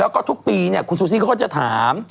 แล้วก็ทุกปีเนี่ยคุณซูซี่เขาก็จะถาม